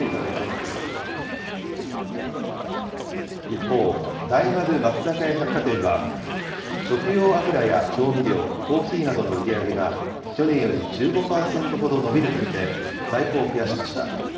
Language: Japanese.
一方、大丸松坂屋百貨店は、食用油や調味料、コーヒーなどの売り上げが、去年より１５％ほど伸びると見て、在庫を増やしました。